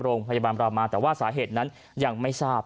โรงพยาบาลรามาแต่ว่าสาเหตุนั้นยังไม่ทราบ